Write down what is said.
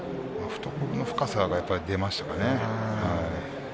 懐の深さが出ましたかね。